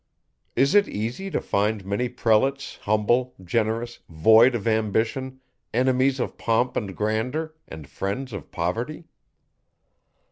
Is it easy to find many prelates humble, generous, void of ambition, enemies of pomp and grandeur, and friends of poverty?